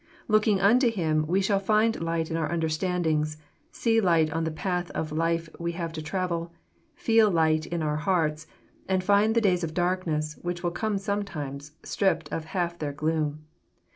Looking unto Him, we shall find light in our understandings, see light on the path of life we have to travel, feel light in our hearts, and find the days of darkness, which will come sometimes, stripped of half their gloom.